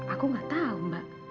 aku gak tau mbak